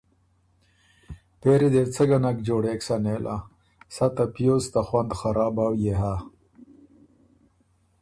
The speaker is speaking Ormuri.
پېری دې بو څۀ ګۀ نک جوړېک سَۀ نېله، سَۀ ته پیوز ته خوند خرابؤ يې هۀ۔